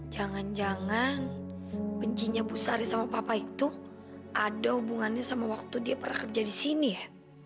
jangan jangan bencinya bu sari sama papa itu ada hubungannya sama waktu dia pernah kerja di sini ya